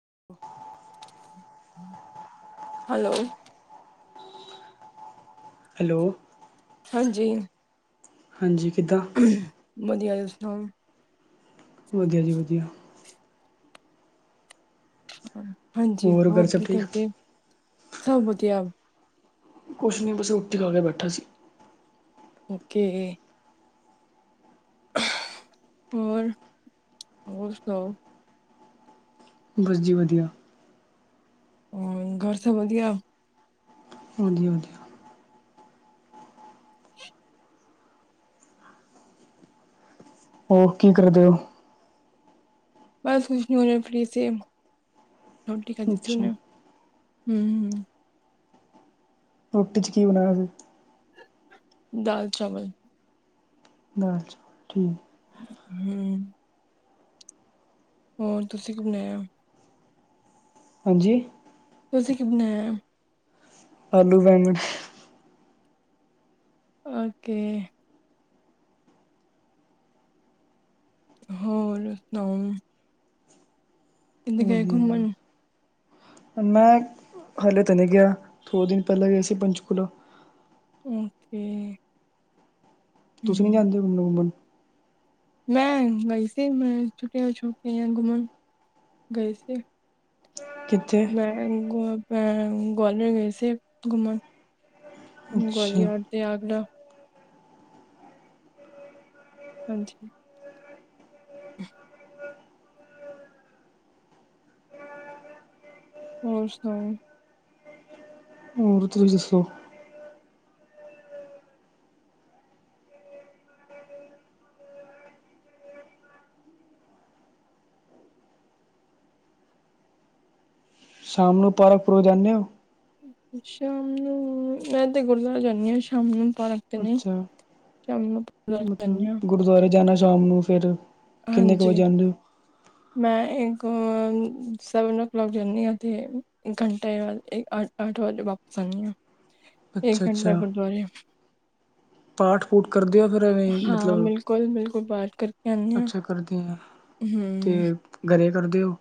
[inaudible] Hello hello ਹਾਂਜੀ ਹਾਂਜੀ ਕਿੱਦਾਂ ਵਧੀਆ ਤੁਸੀ ਸੁਣਾਓ? ਵਧੀਆ ਜੀ ਵਧੀਆ। ਹਾਂਜੀ ਘਰ ਹੋਰ ਸਭ ਕੀ ਠੀਕ ਕਰਦੇ ਸਭ ਵਧੀਆ, ਕੁਛ ਨਹੀਂ ਬਸੇ ਉੱਠੀ ਖਾ ਕੇ ਬੈਠਾ ਸੀ। ਓਕੇ। ਹੋਰ ਹੋਰ ਸਣਾੳ? ਬਸ ਜੀ ਵਧੀਆ। ਹ ਘਰ ਸਬ ਵਧੀਆ। ਵਧੀਆ-ਵਧੀਆ। ਸਸ। ਉਹ ਕੀ ਕਰਦੇ ਹੋ? ਬਸ ਕੁਛ ਨੀ ਉਹਨੇ ਪਲੀੇ ਰੋਟੀ ਖਾਦੀ ਸੀ ਅੱਛਾ ਉਹਨੇ ਹੂੰ। ਹੂੰ, ਰੋਟੀ ਚ ਕੀ ਬਣਾਣਾ ਸੀ? ਦਾਲ, ਚਾਵਲ। ਦਾਲ, ਚਾਵਲ ਠੀਕ। ਹੂੰ, ਹੋਰ ਤੁਸੀਂ ਘੁੰਮਿਆ। ਹਾਂਜੀ। ਤੁਸੀਂ ਕੀ ਬਣਾਇਆ? ਆਲੂ ਵੈਗਣ, ਓਕੇ। ਹੋਰ ਸੁਣਾਓ। ਕਿ ਗਏ ਵਧੀਆ ਜੀ ਘੁੰਮਣ। ਬਸ ਮੈਂ ਹਾਲੇ ਤਾਂ ਨਹੀਂ ਗਿਆ, ਥੋੜੇ ਦਿਨ ਪਹਿਲਾਂ ਗਿਆਏ ਸੀ, ਪੰਚਕੂਲਾ। ਓ ਤੇ। ਤੁਸੀਂ ਨੀ ਜਾਂਦੇ ਘੁੰਮਣ-ਘੁੰਮਣ। ਮੈਂ ਗਈ ਸੀ ਮੈਂ ਛੁਟੇ ਹੋ ਛੁਟੇ ਘੁੰਮਣ ਗਏ ਸੀ। ਕਿੱਥੇ ਮੈਂ ਗਵਾਲਰ ਗਈ ਸੀ ਘੁੰਮਣ। ਹ ਅੱਛਾ ਗਵਾਲੀਅਰ ਤੇ ਆਗਰਾ। ਹਾਂਜੀ। ਹੋਰ ਸੁਣਾਓ? ਹੋਰ ਤੁਸੀਂ ਦੱਸੋ? ਸ਼ਾਮ ਨੂੰ ਪਾਰਕ ਪੂਰਕ ਜਾਂਦੇ ਹੋ, ਸ਼ਾਮ ਨੂੰ ਮੈਂ ਤੇ ਗੁਰਦੁਆਰਾ ਜਾਂਦੀ ਹਾਂ ਸ਼ਾਮ ਨੂੰ [inaudible] ਅੱਛਾ ਮਤਲਬ ਗੁਰਦੁਆਰੇ ਜਾਣਾ ਸ਼ਾਮ ਨੂੰ ਫਿਰ ਕਿੰਨੇ ਕੁ ਹਾਂਜੀ ਵਜੇ ਆਦੇ ਹੋ, ਮੈਂ ਇੱਕ ਸੈਵਨ ਓ ਕਲਾਕ ਜਾਂਦੀ ਹਾਂ, ਅਤੇ ਇੱਕ ਘੰਟੇ ਬਾਅਦ ਆ ਜਾਂਦੀ। ਅੱਠ ਵਜੇ ਵਾਪਿਸ ਆ ਜਾਨੀ ਆ। ਇਕ ਅੱਛਾ ਘੰਟਾ ਅੱਛਾ ਗੁਰਦੁਆਰੇ ਪਾਠ ਪੂਠ ਕਰਦੇ ਹੋ ਫਿਰ ਐਵੇਂ ਹਾਂ ਮਤਲਬ ਬਿਲਕੁਲ-ਬਿਲਕੁਲ ਪਾਠ ਕਰਕੇ ਜਾਦੇ ਹਾਂ ਅੱਛਾ ਕਰਦੇ ਤੇ ਹਮ ਘਰੇ ਕਰਦੇ ਹੋ?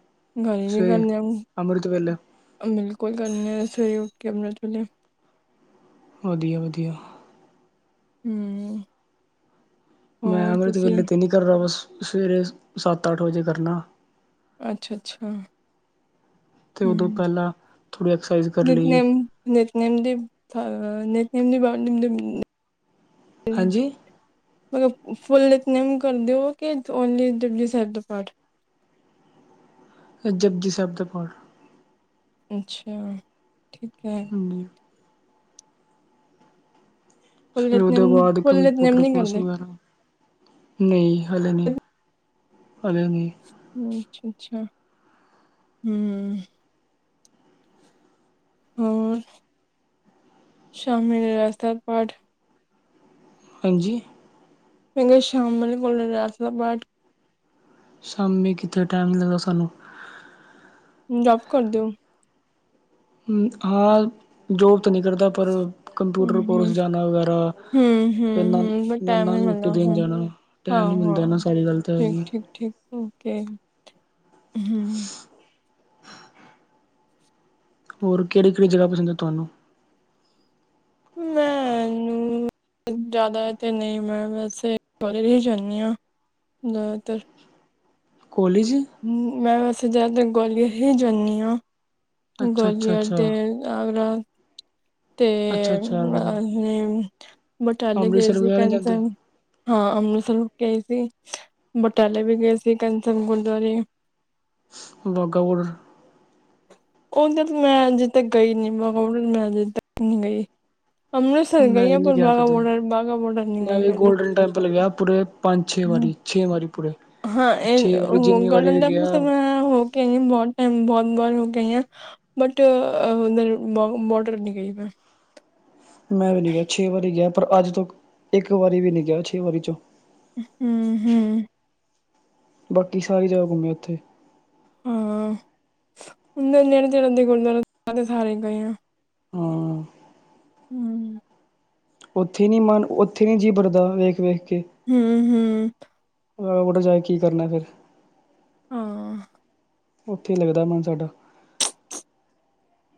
ਸਵੇਰੇ ਅੰਮ੍ਰਿਤ ਵੇਲੇ [inaudible] [inaudible] ਵਧੀਆ-ਵਧੀਆ, ਹੂੰ, ਮੈਂ ਅੰਮ੍ਰਿਤ ਵੇਲੇ ਤੇ ਨਹੀਂ ਕਰ ਰਿਹਾ, ਬਸ ਸਵੇਰੇ ਸੱਤ ਅੱਠ ਵਜੇ ਕਰਨਾ। ਅੱਛਾ-ਅੱਛਾ, ਤੇ ਉਦੋਂ ਹੂੰ, ਪਹਿਲਾਂ ਥੋੜ੍ਹੀ [inaudible] [inaudible] ਐਕਸਰਸਾਈਜ਼ ਕਰ ਲਈ ਫੁੱਲ ਹਾਂਜੀ ਨਿਤਨੇਮ ਕਰ ਦਿਓ ਕਿ ਓਨਲੀ ਜਪਜੀ ਸਾਹਿਬ ਦਾ ਪਾਠ। ਜਪਜੀ ਸਾਹਿਬ ਦਾ ਪਾਠ। ਅੱਛਾ ਠੀਕ ਹੈ। ਹਾਂਜੀ ਫੁੱਲ ਫਿਰ ਉਹਦੇ ਨਿਤਨੇਮ ਬਾਅਦ ਫੁੱਲ ਨਿਤਨੇਮ ਕੰਪਿਊਟਰ ਨਹੀਂ ਕੋਰਸ ਕਰਦੇ? ਵਗੈਰਾ। ਨਹੀਂ ਹਲੇ ਨੀ। ਅੱਛਾ ਅੱਛਾ ਹਮ। ਹੋਰ ਸ਼ਾਮੀ ਰਸਤਾ ਪਾਠ। ਹਾਂਜੀ। [inaudible] [inaudible] ਸ਼ਾਮੀ ਕਿੱਥੇ ਟਾਈਮ ਲਗਦਾ ਸਾਨੂੰ। [inaudible] [inaudible] ਹਮ ਹਾਂ ਜੋ। ਕਰਦਾ ਪਰ ਕੰਪਿਊਟਰ ਹੂੰ-ਹੂੰ, ਕੋਰਸ ਜਾਣਾ ਵਗੈਰਾ ਹੂੰ-ਹੂੰ, ਫੇ ਨ ਹੂੰ, ਬਟ ਨਾਂ ਟਾਈਮ ਨੀ ਨੂੰ ਰੋਟੀ ਮਿਲਦਾ ਦੇ। ਹੂੰ, ਜਾਣਾ ਟਾਈਮ ਨੀ ਮਿਲਦਾ ਨਾ ਹਾਂ-ਹਾਂ, ਸਾਰੀ ਗੱਲ ਤਾਂ ਇਹੀ ਆ। ਹਮ। ਹੋਰ ਕਿਹੜੀ ਕਿਹੜੀ ਜਗ੍ਹਾ ਪਸੰਦ ਹੈ ਤੁਹਾਨੂੰ। ਮੈਨੂੰ। ਜ਼ਿਆਦਾ ਤੇ ਨਹੀਂ ਮੈਂ ਵੈਸੇ ਬਰ ਹੀ ਜਾਂਦੀ ਹਾਂ। ਨਾ ਤੇ। ਕੋਲਜ ਮੈਂ ਵੈਸੇ ਜ਼ਿਆਦਾਤਰ ਗੁਆਲੀਅਰ ਹੀ ਜਾਂਦੀ ਹਾਂ। ਅੱਛਾ ਅੱਛਾ ਗੁਆਲੀਅਰ ਅੱਛਾ ਤੇ ਆਗਰਾ। ਤੇ ਅੱਛਾ ਅੱਛਾ ਵਗੈਰਾ ਆਹੀ ਬਟਾਲੇ ਗਏ ਅੰਮ੍ਰਿਤਸਰ ਸੀ। ਵਗੈਰਾ ਨਹੀਂ ਜਾਂਦੇ ਹਾਂ ਅੰਮ੍ਰਿਤਸਰ ਗਏ ਸੀ ਬਟਾਲੇ ਵੀ ਗਏ ਸੀ ਕੰਨ ਸਨ ਗੁਰਦੁਆਰੇ। ਬਾਗਾ ਬਾਰਡਰ। ਉਧਰ ਮੈਂ ਅਜੇ ਤੱਕ ਗਈ ਨੀ ਮੈਂ ਅਜੇ ਤੱਕ ਨਹੀਂ ਗਈ। ਅੰਮ੍ਰਿਤਸਰ ਮੈਂ ਗਈ ਹਾਂ ਨਹੀਂ ਪਰ ਗਿਆ ਬਾਗਾ ਕਦੇ ਬੋਡਰ ਬਾਗਾ ਬੋਡਰ ਨਹੀਂ ਮੈਂ ਗਈ ਵੀ ਕਦੇ ਗੋਲਡਨ ਟੈਂਪਲ ਗਿਆ ਪੂਰੇ ਪੰਜ ਛੇ ਵਾਰ। ਛੇ ਵਾਰੀ ਪੂਰੇ। ਹਾਂ ਤੇ ਇਹ ਛੇ ਵਾਰੀ ਜਿੰਨੀ ਵਾਰੀ ਗੋਲਡਨ ਵੀ ਟੈਂਪਲ ਤੇ ਗਿਆ ਮੈਂ ਹੋ ਕੇ ਆਈ ਬਹੁਤ ਟਾਈਮ ਬਹੁਤ। ਹੋ ਕੇ ਆਈ ਮੈਂ ਬੱਟ ਬਾਘਾ ਬਾਰਡਰ ਨਹੀਂ ਗਈ ਮੈਂ। ਮੈਂ ਵੀ ਨੀ ਗਿਆ ਛੇ ਵਾਰੀ ਗਿਆ ਪਰ ਅੱਜ ਤੋਂ ਇੱਕ ਵਾਰੀ ਵੀ ਨਹੀਂ ਗਿਆ ਛੇ ਵਾਰੀ ਚੋਂ। ਹਮ ਹਮ। ਬਾਕੀ ਸਾਰੀ ਜਗ੍ਹਾ ਘੁੰਮੇ ਉੱਥੇ। ਹਾਂ ਨੇੜੇ ਤੇੜ ਦੇ ਗ ਸਾਰੇ ਗਏ ਆ। ਹਾਂ। ਹਮ। ਉੱਥੇ ਨੀ ਮਨ ਉੱਥੇ ਨੀ ਜੀ ਬਰਦਾ ਵੇਖ ਵੇਖ। ਹਮ ਹਮ। ਬਾਹਰ ਜਾਕੇ ਕੀ ਕਰਨਾ ਫਿਰ। ਹਾਂ। ਉੱਥੇ ਲੱਗਦਾ ਮਨ ਸਾਡਾ।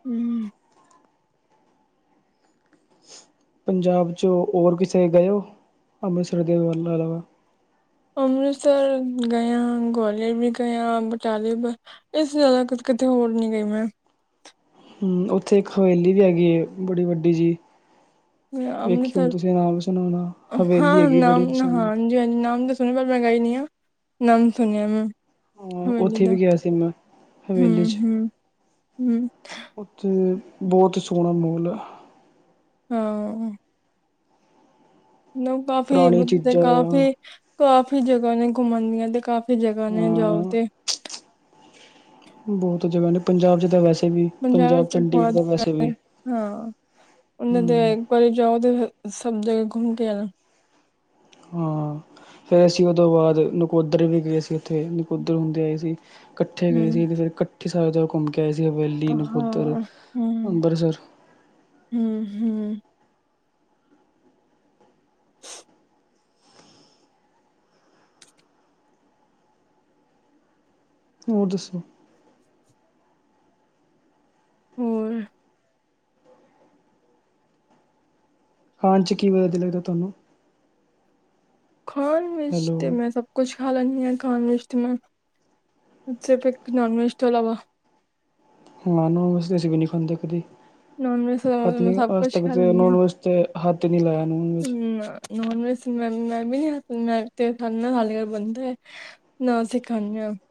ਹਮ। ਪੰਜਾਬ ਚ ਹੋਰ ਕਿਸੇ ਗਏ ਹੋ? ਅੰਮ੍ਰਤਸਰ ਦੇ ਵੀ ਅਲਾਵਾ। ਅੰਮ੍ਰਿਤਸਰ ਗਿਆ, ਗਵਾਲੀਅਰ ਵੀ ਗਿਆ, ਬਟਾਲੇ ਇਸ ਜ਼ਿਆਦਾ। ਕਿਤੇ ਹੋਰ ਨੀ ਗਈ ਮੈਂ। ਹਮ ਉੱਥੇ ਇੱਕ ਹਵੇਲੀ ਵੀ ਹੈਗੀ ਏ ਬੜੀ ਵੱਡੀ ਜੀ। ਵੇਖੀ ਹੁਣ ਅੰਮ੍ਰਿਤਸਰ ਤੁਸੀਂ ਨਾਮ ਸੁਣਿਆ ਹੋਣਾ ਹਵੇਲੀ ਹਾਂ ਹੈਗੀ ਨਾਮ ਬੜੀ ਨਾ ਹ ਸੋਹਣੀ ਹਾਂਜੀ ਹਾਂਜੀ ਨਾਮ ਦਾ। ਸੁਨਿਆ ਪਰ ਮੈਂ ਗਈ ਨੀ ਆ ਨਾਮ ਸੁਣਿਆ ਮੈਂ। ਹਾਂ ਉੱਥੇ ਵੀ ਗਿਆ ਸੀ ਮੈਂ ਹਵੇਲੀ ਚ। ਉੱਥੇ ਬਹੁਤ ਸੋਹਣਾ ਮਾਹੋਲ ਹੈ। ਹਾਂ। ਕਾਫੀ, ਪੁਰਾਣੀ [unintelligible] ਚੀਜ਼ਾਂ ਕਾਫੀ ਕਾਫੀ ਜਗ੍ਹਾ ਨੇ ਘੁੰਮਣ ਦੀਆਂ ਤੇ ਕਾ- ਜਗਾ ਨੇ ਜਾਓ ਹਾਂ ਤੇ ਬਹੁਤ ਜਗ੍ਹਾ ਨੇ ਪੰਜਾਬ 'ਚ ਤਾਂ ਵੈਸੇ ਵੀ ਪੰਜਾਬ ਵਿੱਚ ਚੰਡੀਗੜ੍ਹ ਬਹੁਤ ਤਾ ਵੈਸੇ ਵੀ ਹਾਂ ਉਹਨਾਂ ਤੇ ਹੂੰ ਇੱਕ ਵਾਰੀ ਜਾਓ ਤੇ ਸਭ ਜਗਾ ਘੁੰਮ ਕੇ ਆ ਹਾਂ, ਫਿਰ ਅਸੀਂ ਉਹ ਤੋਂ ਬਾਅਦ ਨਕੋਦਰ ਵੀ ਗਏ ਸੀ। ਉੱਥੇ ਨਕੋਦਰ ਹੁੰਦੇ ਆਏ ਸੀ। ਕੱਠੇ ਗਏ ਸੀ ਹੂੰ ਕਿ ਕੱਠੇ ਸਾਰੇ ਜਗਾ ਘੁੰਮ ਕੇ- ਗਏ ਸੀ ਹਵੈਲੀ ਨਕੋਦਰ ਹਾਂ ਹੂੰ ਅੰਬਰਸਰ ਹੂੰ ਹੂੰ ਹੋਰ ਦੱਸੋ? ਹੋਰ ਖਾਣ ਚ ਕੀ ਵਦ ਲੱਗਦਾ ਤੁਹਾਨੂੰ? ਖਾਣ ਵਿੱਚ ਤੇ ਹੈਲੋ ਮੈਂ ਸਭ ਕੁਛ ਖਾ ਲੈਂਨੀ ਆ ਖਾਨ ਵਿੱਚ ਤਾਂ ਮੈਂ ਸਿਰਫ ਇੱਕ ਨਾਨ ਵੈਜ ਤੋਂ ਇਲਾਵਾ ਹਾਂ, ਨੋਨ ਵੈਜ ਤੇ ਅਸੀਂ ਵੀ ਨਹੀਂ ਖਾਂਦੇ ਕਦੀ। ਨੋਨ ਵੈਜ ਤੋਂ [unintelligible] ਇਲਾਵਾ ਮੈਂ ਸਭ ਅੱਜ ਤੱਕ ਤੇ ਨਨ ਵੈਜ ਤੇ ਹੱਥ ਨੋਨ ਵੈਜ ਹਮ। ਮੈਂ ਵੀ ਨ ਮ ਤੇ ਖ [unintelligible] ਹਾਲੇਲ ਬੰਦਾ [unintelligible] ਨਾ ਅਸੀਂ ਖਾਂਦੇ ਆਂ ਹ [unintelligible]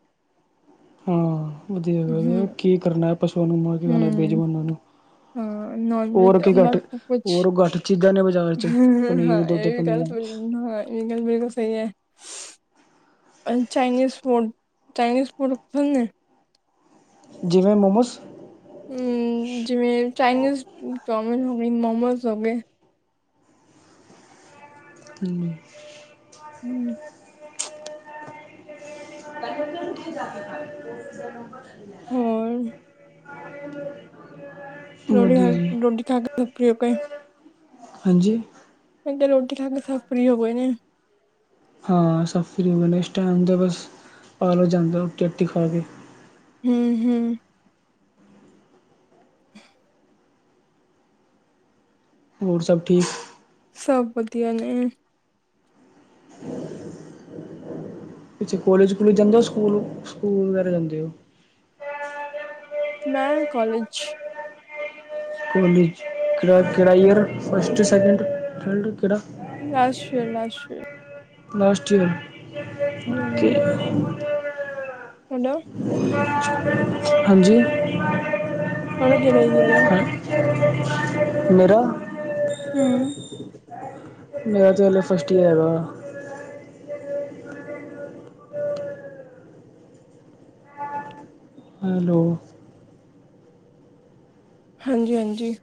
ਹਾਂ, ਵਧੀਆ ਹੂੰ ਵਧੀਆ ਕੀ ਕਰਨਾ ਪਸੂਆਂ ਨੂੰ ਮਾਰ ਕੇ ਖਾਣਾ ਬੇਜਮਾਨਾਂ ਨੂੰ। ਹੋਰ ਕੀ ਘੱਟ ਹੋਰ ਘੱਟ ਚੀਜ਼ਾਂ ਨੇ ਬਾਜ਼ਾਰ ਚ ਪਨੀਰ, ਦੁੱਧ, ਪਨੀਰ [unintelligible] ਹਾਂ ਇਹ ਗੱਲ ਬਿਲਕੁਲ ਸਹੀ ਹੈ। ਅਨ ਚਾਈਨੀਜ਼ ਫੂਡ ਚਾਈਨੀਜ਼ ਫੂਡ [unintelligible] ਨੇ- ਜਿਵੇਂ ਮੋਮੋਸ? ਹਮ, ਜਿਵੇਂ ਚਾਈਨੀਜ਼ ਚੋਮਿਨ ਹੋ ਗਈ। ਮੋਮੋਸ ਹੋ ਗਏ। ਹੁੰ, ਹਮ। [unintelligible] ਹੋਰ? ਹ [unintelligible] [unintelligible] ਹਾਂਜੀ। ਰੋਟੀ ਖਾ ਕ [unintelligible] ਹਾਂ, ਸਭ ਫਰੀ ਨੇ ਇਸ ਟਾਈਮ ਤੇ ਬਸ ਪਾ ਲੋੋ ਜਾਂਦਾ ਰੋਟੀ ਰੁਟੀ ਖਾ ਕੇ। ਹੁੰ ਹੁੰ ਹੋਰ ਸਭ ਠੀਕ ਸਭ ਵਧੀਆ ਨੇ ਪਿੱਛੇ ਕੋਲੇਜ ਕੁਲੇਜ ਜਾਂਦੇ ਹੋ ਸਕੂਲ ਸਕੂਲ ਵਗੈਰਾ ਜਾਂਦੇ ਹੋ ਮੈਂ ਕਾਲਜ ਕਾਲਜ ਕਿਹੜਾ, ਕਿਹੜਾ ਈਅਰ ਫਸਟ, ਸੈਕਿੰਡ, ਥਲਡ ਕਿਹੜਾ ਲਾਸਟ ਈਰ ਲਾਸਟ ਈ ਲਾਸਟ ਈਅਰ ਓਕੇ ਹੈਨਾ [unintelligible] ਹਾਂਜੀ। ਤੁਆਦਾ ਕਿਹੜਾ [unintelligible] ਈਅਰ ਏ ਮੇਰਾ ਹੁੰ ਮੇਰਾ ਤੇ ਹਲੇ ਫਸਟ ਈਅਰ ਹੈਗਾ ਹੈਲੋ ਹਾਂਜੀ, ਹਾਂਜੀ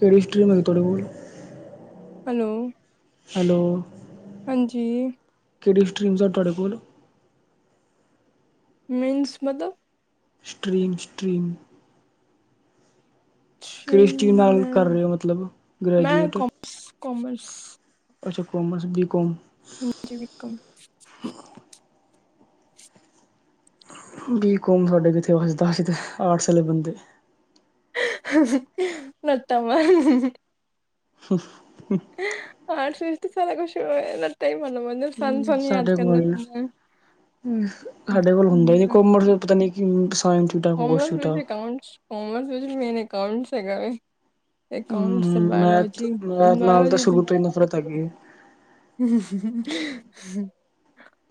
ਕਿਹੜੀ ਸਟਰੀਮ ਹੇ ਤੁਹਾਡੇ [unintelligible] ਕੋਲ ਹੈਲੋ ਹੈਲੋ, ਹਾਂਜੀ। ਕਿਹੜੀ ਸਟ੍ਰਰੀਮਸ ਆ ਤੁਹਾਡੇ ਕੋਲ ਮਿੰਸ ਮਤਲਬ ਸਟ੍ਰਰੀਮ, ਸਟ੍ਰਰੀਮ ਸਟਰੀਮ [unintelligible] ਨਾਲ ਮੈਂ ਕਰ ਰਹੇ ਹੋ ਮਤਲਬ ਮੈਂ ਗ੍ਰੈਜੂਏਟ ਕਮਰਸ, ਕਮਰਸ ਅੱਛਾ, ਕਾਮਰਸ ਬੀ ਕੌਮ ਹਾਂਜੀ, ਬੀ ਕੋਮ ਬੀ ਕੋੌਮ ਸਾਡੇ ਕਿਤੇੇ, ਵਸਦਾ ਅਸੀਂ ਤੇ ਆਰਟਸ ਵਾਲੇ ਬੰਦੇ [unintelligible] [inaudible] ਆਰਟਸ ਵਿੱਚ ਤੇ ਸਾਰਾ ਕੁਛ [unintelligible] [unintelligible] ਹੂੰ ਸਾਡੇ ਕੋਲ ਹੁੰਦਾ ਹੀ, ਨੀ ਕੋਮਰ ਪਤਾ ਨੀ ਕਮਰਸ ਅਕਾਊਂਟਸ ਕਮਰਸ ਮੈਨ ਅਕਾਊਂਟਸ ਹੇਗਾ ਏ ਅਕਾਂਟਸ ਤੇ ਬਾਇਓ ਮੈਥ ਲੋਜੀ ਮੈਥ ਬਾਇਓ ਨਾਲ ਤਾਂ ਲੋਜੀ ਸ਼ੁਰੂ ਤੋਂ ਹੀ ਨਫ਼ਰਤ ਹੈਗੀ ਹੈ।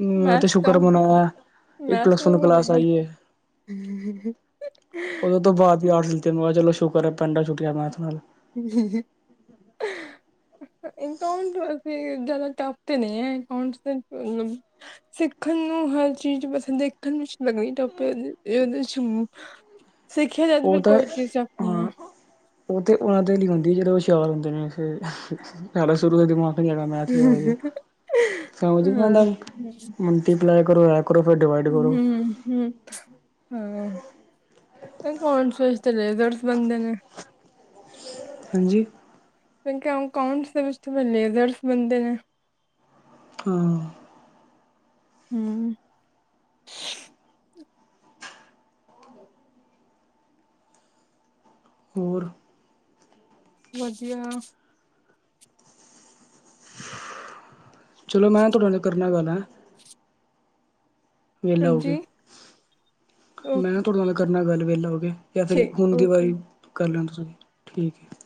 ਹੂੰ ਮੈਂ ਤੇ ਮੈਥਸ ਤੋਂ ਸ਼ੁਕਰ ਮਨਾਇਆ ਐ ਮੈਥਸ ਪਲੱਸ ਤੋਂ ਵਨ ਭੁੱਲ ਕਲਾਸ ਆਈ ਹੈ ਗਈ ਉਹਦਦੇ ਤੋਂ ਬਾਅਦ ਵੀ ਆ ਆਰਟਸ ਲੀਤੀ ਮੈਂ ਕਿਹਾ, ਚਲੋ ਸ਼ੁਕਰ ਹੈ ਪਿੰਡਾਂ ਛੁੱਟੀਆਂ ਮੈਥ ਨਾਲ ਅਊਂਟ ਵੈਸੇ ਜ਼ਿਆਦਾ ਟਫ ਤੇ ਨਹੀਂ ਹੈ, ਅਕਾਊਂਟਸ ਤੇ ਸਿੱਖਣ ਨੂੰ ਹਰ ਚੀਜ਼ ਬਸ ਦੇਖਣ ਵਿੱਚ ਲੱਗਣੀ, ਟਫ ਉਹਦੇ ਚ ਸਿੱਖਿਆ ਜਾ ਤਾਂ ਫੇਰ ਕੋਈ ਚੀਜ਼ [unintelligible] ਨਹੀਂ ਹੈ। ਹਾਂ ਉਹ ਤੇ ਉਹਨਾਂ ਦੇ ਲਈ ਹੁੰਦੀ, ਜਦੋਂ ਹੁਸ਼ਿਆਰ ਹੁੰਦੇ ਨੇ ਸਾਹਿਲਾ ਸ਼ੁਰੂ ਦੇ ਦਿਮਾਗ ਸਮਝ ਨੀ ਆਂਦਾ ਹਾਂ ਮਲਟੀਪਲਾਈ ਕਰ ਹੁੰ, ਹੁੰ, ਹਾਂ। [unintelligible] ਹਾਂਜੀ? ਕਿਉਂਕਿ, ਅਕਾਊਂਟਸ ਦੇ ਵਿਚ ਤੇ ਫੇ ਲੇਜ਼ਰਸ ਬਣਦੇ ਨੇ ਹਾਂ ਹੁੰ ਹੋਰ ਵਧੀਆ, ਚਲੋ ਮੈਂ ਤੁਹਾਡੇ ਨਾਲ ਕਰਨਾ ਗੱਲ ਹੈ। ਵਿਹਲਾ ਹੋ ਕੇ ਹਾਂਜੀ ਮੈਂ ਓਕੇ ਤੁਹਾਡੇ ਨਾਲ ਕਰਨਾ ਗੱਲ ਵਹਿਲਾ ਹੋ ਕੇ, ਜਾਂ ਫਿਰ ਠੀਕ ਹੁਣ ਦੀ ਵਾਰੀ ਓਕੇ ਕਰ ਲੈਓ, ਤੁਸੀ ਠੀਕ ਹੈ।